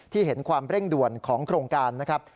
เห็นความเร่งด่วนของโครงการนะครับ